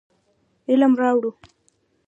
علم راوړو.